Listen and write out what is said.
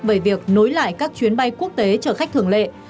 về việc nối lại các chuyến bay quốc tế chở khách thường lệ